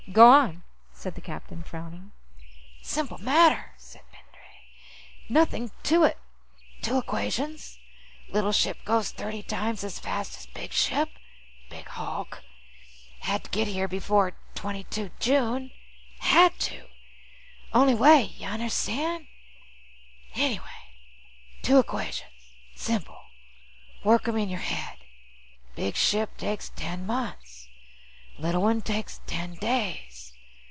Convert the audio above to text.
"Go on," said the captain, frowning. "Simple matter," said Pendray. "Nothing to it. Two equations. Little ship goes thirty times as fast as big ship big hulk. Had to get here before 22 June. Had to. Only way out, y'unnerstand. "Anyway. Two equations. Simple. Work 'em in your head. Big ship takes ten months, little one takes ten days.